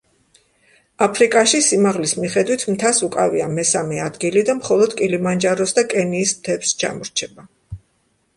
აფრიკაში სიმაღლის მიხედვით მთას უკავია მესამე ადგილი და მხოლოდ კილიმანჯაროს და კენიის მთებს ჩამორჩება.